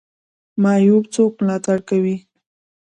معیوب څوک ملاتړ کوي؟